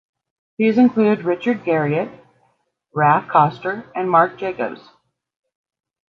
These included Richard Garriott, Raph Koster, and Mark Jacobs.